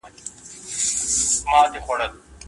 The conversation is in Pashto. آیا تاسي په خپلو څېړنو کي د بې طرفۍ اصول په پام کي نیسئ؟